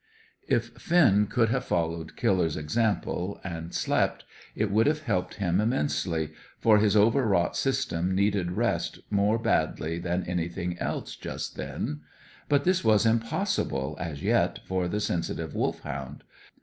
If Finn could have followed Killer's example and slept it would have helped him immensely, for his overwrought system needed rest more badly than anything else just then. But this was impossible as yet for the sensitive Wolfhound.